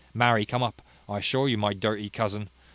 Marry, come up! I assure you, my dirty cousin!